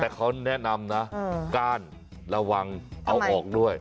แต่เขาแนะนำนะก้านระวังเอาออกด้วย